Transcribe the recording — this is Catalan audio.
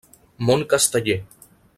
Món Casteller.